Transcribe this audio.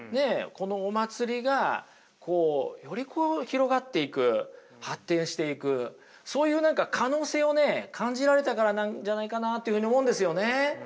このお祭りがより広がっていく発展していくそういう可能性をね感じられたからなんじゃないかなというふうに思うんですよね。